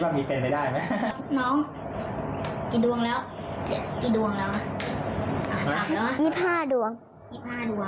ชัดมีความสุขไหมมีมากน๋อยมากสุดมาก